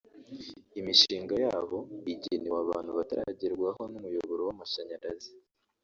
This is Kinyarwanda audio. imishinga yabo igenewe abantu bataragerwaho n’umuyoboro w’amashanyarazi